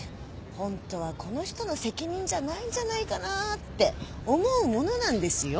ホントはこの人の責任じゃないんじゃないかな」って思うものなんですよ。